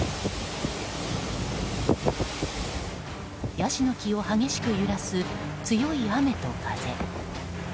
ヤシの木を激しく揺らす強い雨と風。